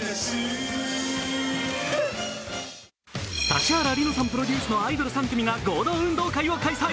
指原莉乃さんプロデュースのアイドル３組が合同運動会を開催。